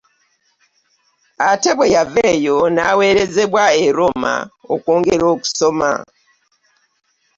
Ate bwe yava eyo n'aweerezebwa e Roma okwongera okusoma.